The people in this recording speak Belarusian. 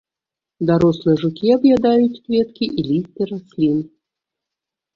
Дарослыя жукі аб'ядаюць кветкі і лісце раслін.